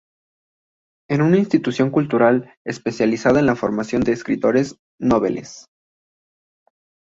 Es una institución cultural especializada en la formación de escritores noveles.